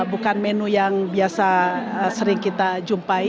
bukan menu yang biasa sering kita jumpai